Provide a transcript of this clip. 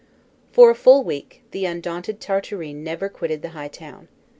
For a full week the undaunted Tartarin never quitted the high town.